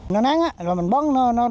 nó nắng á rồi mình bấm nó